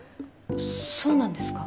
そうなんですか？